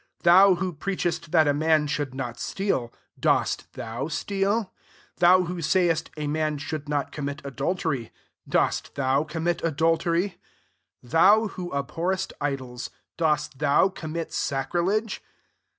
thou who preach est that a man should not steal, dost thou steal ? 22 thou who say est, a man should not commit adultery, dost thou commit adultery ? thou who abhorrest idols, dost thou com mit sacrilege